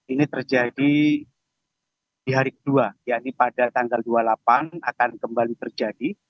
ini terjadi di hari kedua yaitu pada tanggal dua puluh delapan akan kembali terjadi